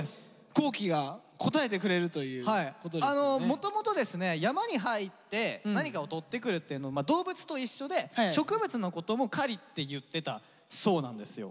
もともとですね山に入って何かをとってくるっていうの動物と一緒で植物のことも「狩り」って言ってたそうなんですよ。